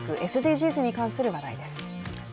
ＳＤＧｓに関する話題です。